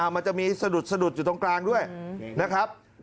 มันจะมีสะดุดอยู่ตรงกลางด้วยนะครับ